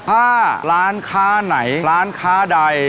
ถ้าร้านค้าไหนร้านค้าใด